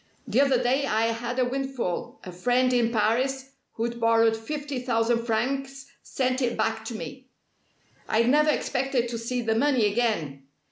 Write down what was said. The other day I had a windfall. A friend in Paris who'd borrowed fifty thousand francs sent it back to me. I'd never expected to see the money again!